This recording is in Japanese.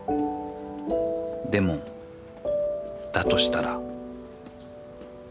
でもだとしたら